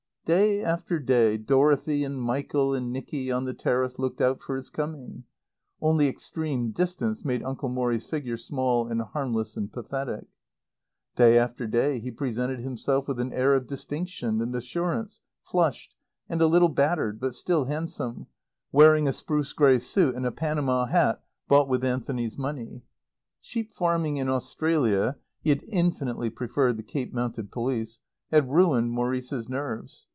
Day after day Dorothy and Michael and Nicky, on the terrace, looked out for his coming. (Only extreme distance made Uncle Morrie's figure small and harmless and pathetic.) Day after day he presented himself with an air of distinction and assurance, flushed, and a little battered, but still handsome, wearing a spruce grey suit and a panama hat bought with Anthony's money. Sheep farming in Australia he had infinitely preferred the Cape Mounted Police had ruined Maurice's nerves.